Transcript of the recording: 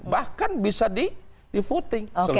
bahkan bisa di footing